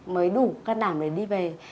mới đủ căn đảm để đi về